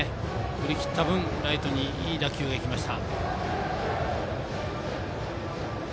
振り切った分ライトにいい打球がいきました。